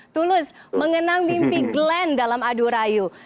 tulus mengenang mimpi glenn dalam adu rayu